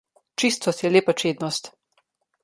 Čistost je lepa čednost.